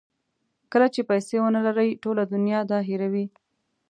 کله چې پیسې ونلرئ ټوله دنیا دا هیروي.